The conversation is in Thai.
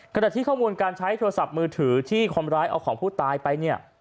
ขณะที่ข้อมูลการใช้โทรศัพท์มือถือที่คนร้ายเอาของผู้ตายไปเนี่ย